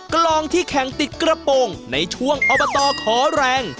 กลองที่แข่งติดกระโปรงในช่วงอบตขอแรง